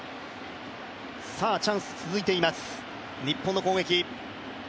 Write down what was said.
チャンスが続いています、日本の攻撃。